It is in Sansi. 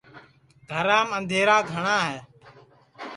گھرام اںٚدھیرا گھٹؔا ہے